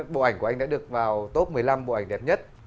bộ ảnh của anh đã được vào top một mươi năm bộ ảnh đẹp nhất